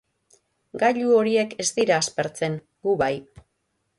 Gailu horiek ez dira aspertzen, gu bai.